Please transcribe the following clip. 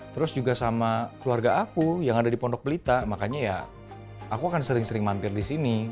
terus juga sama keluarga aku yang ada di pondok belita makanya ya aku akan sering sering mampir di sini